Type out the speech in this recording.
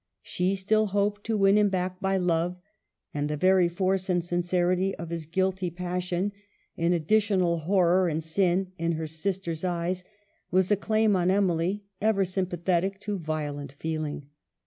She still hoped to win him back by love ; and the very force and sincerity of his guilty passion (an additional horror and sin in her sisters' eyes) was a claim on Emily, ever sympathetic to violent feeling.